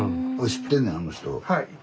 知ってんねんあの人。